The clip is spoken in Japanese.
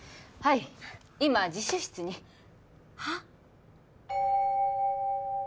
はい今自習室にはっ？